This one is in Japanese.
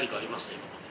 今まで。